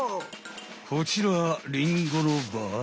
こちらリンゴのばあい。